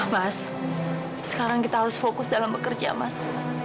mas sekarang kita harus fokus dalam bekerja mas